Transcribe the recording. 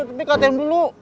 tapi katain dulu